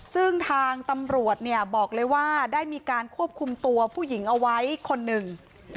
ซึ่งทางตำรวจเนี่ยบอกเลยว่าได้มีการควบคุมตัวผู้หญิงเอาไว้คนหนึ่ง